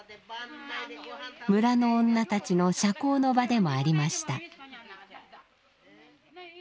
村の女たちの社交の場でもありました。